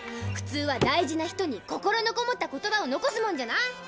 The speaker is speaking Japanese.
普通は大事な人に心のこもった言葉を残すもんじゃない？